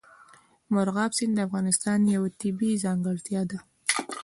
مورغاب سیند د افغانستان یوه طبیعي ځانګړتیا ده.